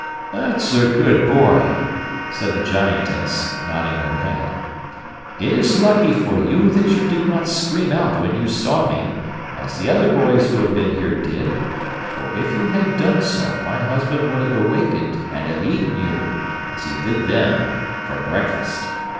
'That's a good boy,' said the Giantess, nodding her head; 'it is lucky for you that you did not scream out when you saw me, as the other boys who have been here did, for if you had done so my husband would have awakened and have eaten you, as he did them, for breakfast.